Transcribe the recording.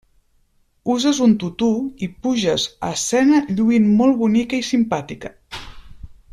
Uses un tutú i puges a escena lluint molt bonica i simpàtica.